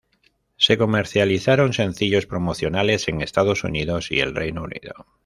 Se comercializaron sencillos promocionales en Estados Unidos y el Reino Unido.